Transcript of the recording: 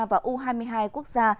và u hai mươi hai quốc gia